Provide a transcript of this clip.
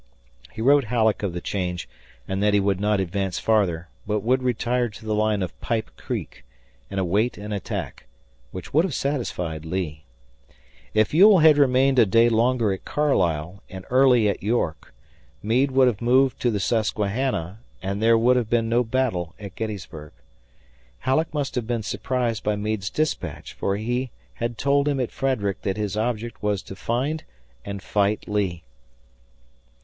He wrote Halleck of the change and that he would not advance farther, but would retire to the line of Pipe Creek and await an attack which would have satisfied Lee. If Ewell had remained a day longer at Carlisle and Early at York, Meade would have moved to the Susquehanna, and there would have been no battle at Gettysburg. Halleck must have been surprised by Meade's dispatch, for he had told him at Frederick that his object was to find and fight Lee.